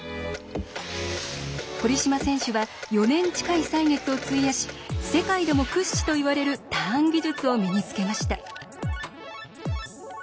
堀島選手は４年近い歳月を費やし世界でも屈指といわれるターン技術を身につけました。